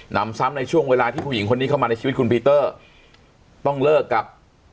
นำซ้ำในช่วงเวลาที่ผู้หญิงคนนี้เข้ามาในชีวิตคุณพีเตอร์ต้องเลิกกับ